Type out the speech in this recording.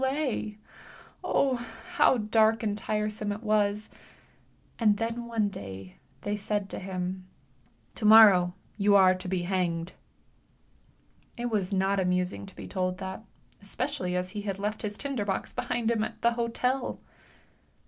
Oh. how dark and tiresome it was, and then one dav they said to him 7 morrow you are to be hanged." It was not amusing to be told that, especially as he had left his trader box behind him at the hotel.